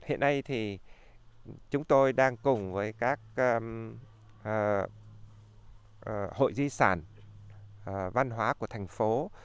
hiện nay thì chúng tôi đang cùng với các hội di sản văn hóa của thành phố